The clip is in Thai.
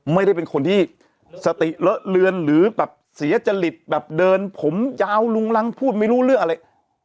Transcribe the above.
ไม่ได้เป็นคนที่สติเลอะเลือนหรือแบบเสียจริตแบบเดินผมยาวลุงรังพูดไม่รู้เรื่องอะไร